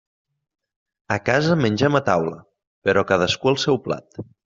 A casa mengem a taula, però cadascú al seu plat.